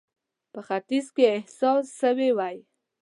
په ختیځ کې احساس سوې وای.